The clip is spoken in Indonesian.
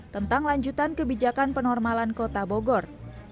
tentang lanjutan kebijakan penormalan kota bogor